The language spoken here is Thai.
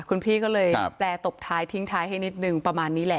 คุณพี่ก็เลยแปลตบท้ายทิ้งท้ายให้นิดนึงประมาณนี้แหละ